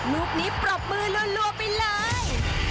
ลูกนี้ปรบมือลัวไปเลย